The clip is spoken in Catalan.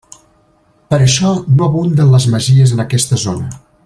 Per això no abunden les masies en aquesta zona.